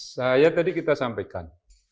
saya tadi kita sampaikan